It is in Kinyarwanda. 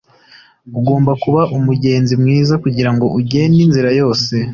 Ugomba kuba umugenzi mwiza kugirango ugende inzira yose